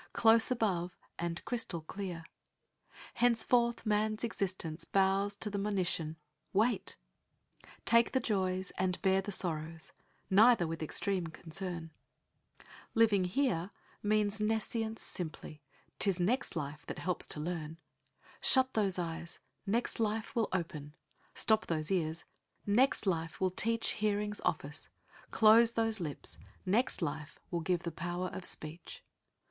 . Close above and crystal clear ! Henceforth, man's existence bows to the monition — Wait ! Take the joys and bear the sorrows —■ neither with extreme concern ; 30 jEastcr UnterpvcteD Living here means nescience simply ; 'tis next life that helps to learn. Shut those eyes, next life will open ; Stop those ears, next life will teach Hearings office ; close those lips, next life will give the power of speech.